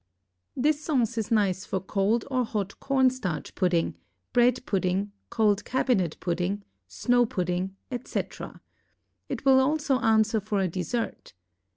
This sauce is nice for cold or hot cornstarch pudding, bread pudding, cold cabinet pudding, snow pudding, etc. It will also answer for a dessert.